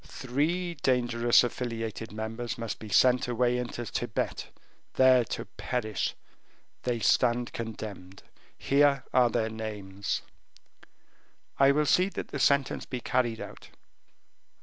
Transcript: "Three dangerous affiliated members must be sent away into Tibet, there to perish; they stand condemned. Here are their names." "I will see that the sentence be carried out."